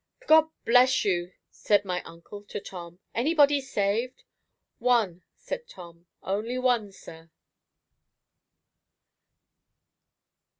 "God bless you!" said my uncle to Tom; "anybody saved?" "One," said Tom; "only one, sir."